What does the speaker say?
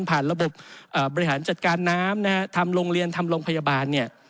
ผ่านระบบบริหารจัดการน้ำทำโรงเรียนทำโรงพยาบาล